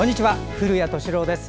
古谷敏郎です。